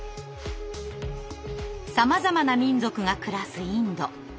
さまざまな民族が暮らすインド。